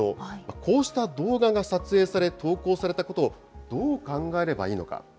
こうした動画が撮影され、投稿されたことをどう考えればいいのか。